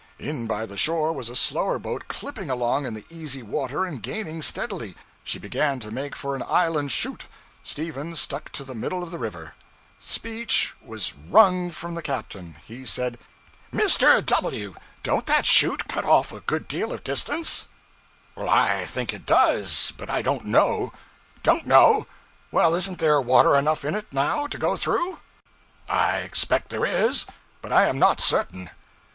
In by the shore was a slower boat clipping along in the easy water and gaining steadily; she began to make for an island chute; Stephen stuck to the middle of the river. Speech was _wrung _from the captain. He said 'Mr. W , don't that chute cut off a good deal of distance?' 'I think it does, but I don't know.' 'Don't know! Well, isn't there water enough in it now to go through?' 'I expect there is, but I am not certain.'